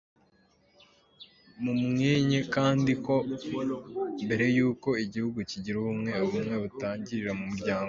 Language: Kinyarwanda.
mumuenye kandi ko mbere y'uko igihugu kigira ubumwe, ubumwe butangirira mu muryango.